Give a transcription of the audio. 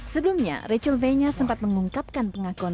sebelumnya rachel venya sempat mengungkapkan pengakuan